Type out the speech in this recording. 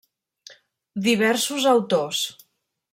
Diversos Autors.